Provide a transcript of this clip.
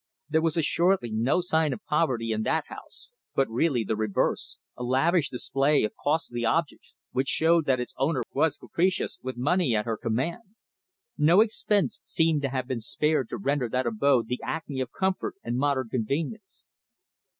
There was assuredly no sign of poverty in that house, but really the reverse, a lavish display of costly objects, which showed that its owner was capricious, with money at her command. No expense seemed to have been spared to render that abode the acme of comfort and modern convenience.